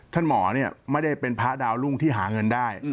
หมอไม่ได้เป็นพระดาวรุ่งที่หาเงินได้